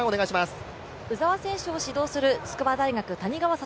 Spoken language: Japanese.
鵜澤選手を指導する筑波大学、谷川聡